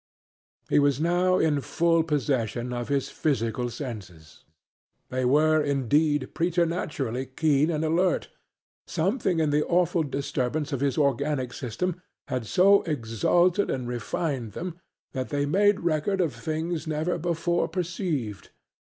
He was now in full possession of his physical senses. They were, indeed, preternaturally keen and alert. Something in the awful disturbance of his organic system had so exalted and refined them that they made record of things never before perceived.